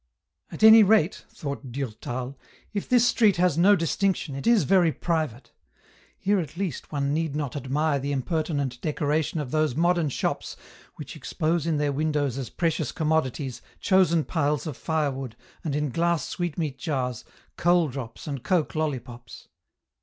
" At any rate/' thought Durtal, " if this street has no distinction, it is very private ; here at least one need not admire the impertinent decoration of those modern shops which expose in their windows as precious commodities, chosen piles of firewood, and in glass sweetmeat jars, coal drops and coke lollipops."